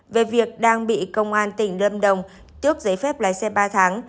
về việc đang bị công an tỉnh lâm đồng tước giấy phép lái xe ba tháng